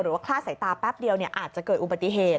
หรือว่าคลาดสายตาแป๊บเดียวเนี่ยอาจจะเกิดอุบัติเหตุ